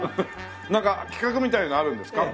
なんか企画みたいなのあるんですか？